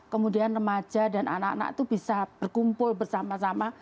kemudian remaja dan anak anak itu bisa berkumpul bersama sama